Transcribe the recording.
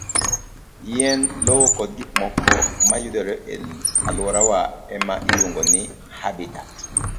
Yien, lowo, kod gik mamoko ma yudore e alworawa e ma iluongo ni habitat.